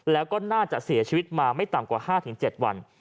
แล้วก็น่าจะเสียชีวิตมาไม่ต่ำกว่า๕๗วัน